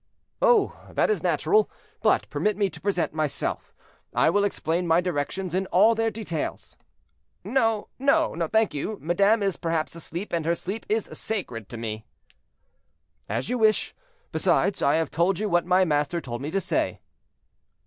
"Oh! that is natural; but permit me to present myself. I will explain my directions in all their details." "No, no, thank you: madame is perhaps asleep, and her sleep is sacred to me." "As you wish. Besides, I have told you what my master told me to say."